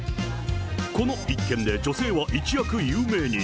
この一件で女性は一躍有名に。